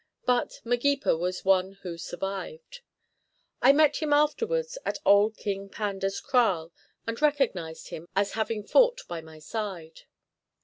But Magepa was one who survived. I met him afterwards at old King Panda's kraal and recognised him as having fought by my side.